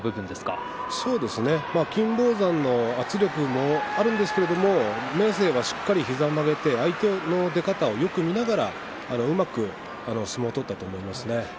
金峰山の圧力もあるんですけども明生はしっかり膝を曲げて相手の出方をよく見ながらうまく相撲を取ったと思います。